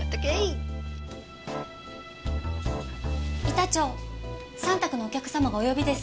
板長３卓のお客様がお呼びです。